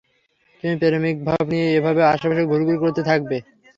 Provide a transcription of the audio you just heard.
তুমি প্রেমিকভাব নিয়ে এভাবে আশেপাশে ঘুরঘুর করতে থাকবে?